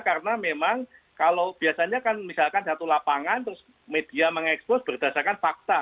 karena memang kalau biasanya kan misalkan satu lapangan terus media mengekspos berdasarkan fakta